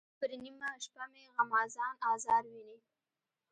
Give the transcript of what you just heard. پر نیمه شپه مې غمازان آزار ویني.